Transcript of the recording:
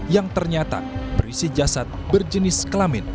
yang ternyata berisi jasad berjenis kelamin